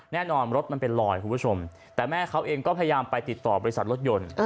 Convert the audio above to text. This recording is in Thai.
รถมันเป็นลอยคุณผู้ชมแต่แม่เขาเองก็พยายามไปติดต่อบริษัทรถยนต์